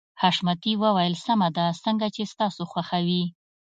حشمتي وويل سمه ده څنګه چې ستاسو خوښه وي.